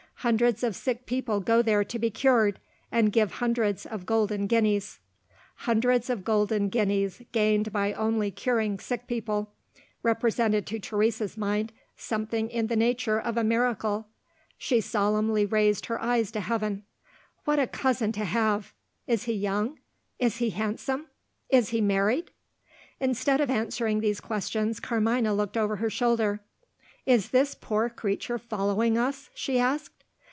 Hundreds of sick people go there to be cured, and give hundreds of golden guineas." Hundreds of golden guineas gained by only curing sick people, represented to Teresa's mind something in the nature of a miracle: she solemnly raised her eyes to heaven. "What a cousin to have! Is he young? is he handsome? is he married?" Instead of answering these questions, Carmina looked over her shoulder. "Is this poor creature following us?" she asked.